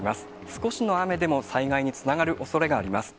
少しの雨でも災害につながるおそれがあります。